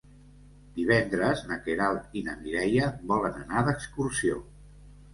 Divendres na Queralt i na Mireia volen anar d'excursió.